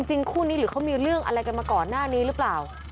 คู่นี้หรือเขามีเรื่องอะไรกันมาก่อนหน้านี้หรือเปล่า